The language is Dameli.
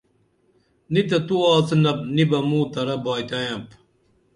نی تو ایا آڅِنپ نی بہ موں ترہ بائتائیپ